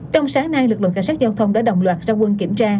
trong sáng nay lực lượng cảnh sát giao thông đã đồng loạt ra quân kiểm tra